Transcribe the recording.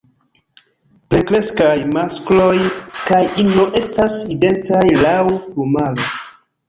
Plenkreskaj maskloj kaj ino estas identaj laŭ plumaro.